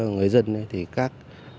người dân thì các